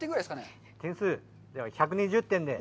では、１２０点で。